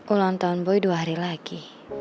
ulang tahun boy dua hari lagi